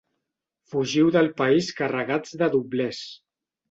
Fugiu del país carregats de doblers.